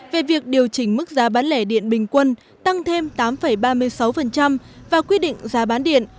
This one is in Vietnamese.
về việc điều chỉnh mức giá bán lẻ điện bình quân tăng thêm tám ba mươi sáu và quy định giá bán điện